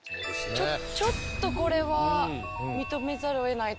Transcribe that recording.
ちょっとこれは認めざるをえないというか。